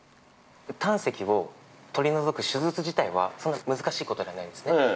胆石を取り除く手術自体はそんなに難しいことではないんですね。